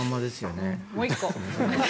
もう１個。